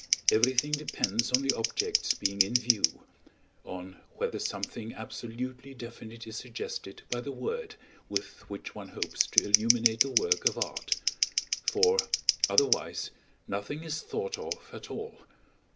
Everything depends on the objects being in view; on whether something absolutely definite is suggested by the word with which one hopes to illuminate the work of art; for, otherwise, nothing is thought of at all.